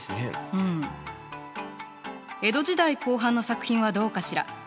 うん江戸時代後半の作品はどうかしら？